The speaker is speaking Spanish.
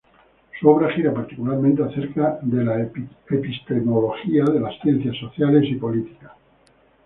Su obra gira particularmente acerca de la epistemología de las ciencias sociales y políticas.